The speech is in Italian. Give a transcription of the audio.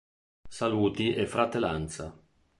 Saluti e fratellanza.